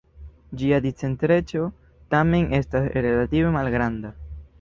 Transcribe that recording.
Ĝia discentreco tamen estas relative malgranda.